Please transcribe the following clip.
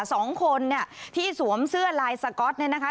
สองคนเนี่ยที่สวมเสื้อลายสก๊อตเนี่ยนะคะ